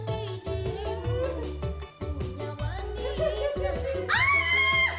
tapi dirimu punya wanita sepanjang